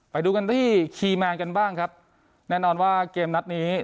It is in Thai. ไปดูกันที่คีย์แมนกันบ้างครับแน่นอนว่าเกมนัดนี้